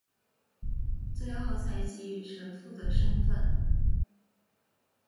最后才给予神父的身分。